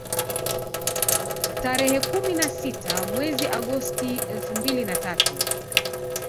Tarehe kumi na sita mwezi Agosti elfu mbili na tatu